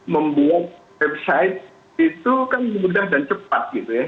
membuat website itu kan mudah dan cepat gitu ya